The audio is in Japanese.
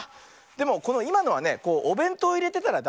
でもこのいまのはねおべんとういれてたらダメだね。